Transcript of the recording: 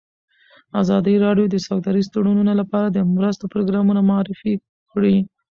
ازادي راډیو د سوداګریز تړونونه لپاره د مرستو پروګرامونه معرفي کړي.